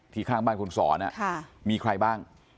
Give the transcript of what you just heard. ข้างบ้านคุณสอนมีใครบ้าง